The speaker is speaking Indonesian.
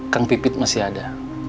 kang pipit masih ada